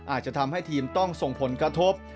อาจจะทำให้ทีมต้องส่งผลกระทบ